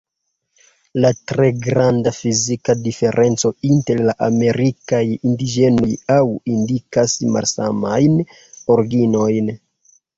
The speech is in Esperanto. La tre granda fizika diferenco inter la amerikaj indiĝenoj ankaŭ indikas malsamajn originojn.